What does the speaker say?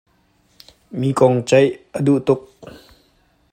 Mi kong ceih a duh tuk.